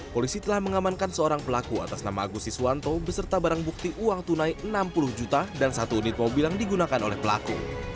polisi telah mengamankan seorang pelaku atas nama agusiswanto beserta barang bukti uang tunai enam puluh juta dan satu unit mobil yang digunakan oleh pelaku